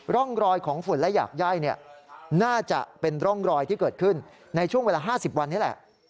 ร่องรอยของฝุ่นและอยากไย่น่าจะเป็นร่องรอยที่เกิดขึ้นในช่วงเวลา๕๐วันนี้แหละ